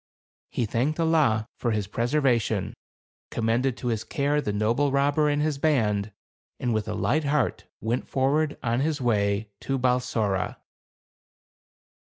He thanked Allah for his preservation, commended to his care the noble robber and his band, and with a light heart went forward on his way to Balsora.